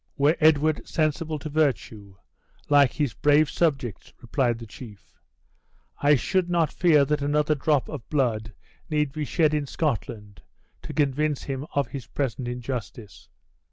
"Were Edward sensible to virtue, like his brave subjects," replied the chief, "I should not fear that another drop of blood need be shed in Scotland to convince him of his present injustice.